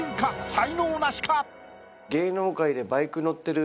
才能ナシか？